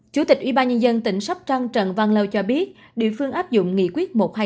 chủ tịch ủy ban nhân dân tỉnh sóc trăng trần văn lâu cho biết địa phương áp dụng nghị quyết một trăm hai mươi tám